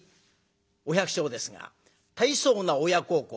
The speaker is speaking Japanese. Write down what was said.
お百姓ですが大層な親孝行。